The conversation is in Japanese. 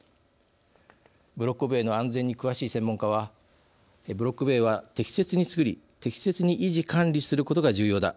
ブロック塀の安全に詳しい専門家はブロック塀は、適切に作り適切に維持管理することが重要だ。